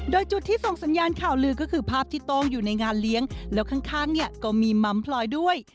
โดยจุดที่ส่งสัญญาณข่าวลือก็คือภาพที่โต้งอยู่ในงานเลี้ยงแล้วข้างเนี่ยก็มีมัมพลอยด้วย